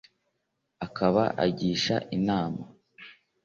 akaba agisha inama